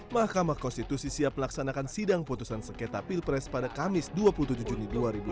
mahkamah konstitusi siap melaksanakan sidang putusan sengketa pilpres pada kamis dua puluh tujuh juni dua ribu sembilan belas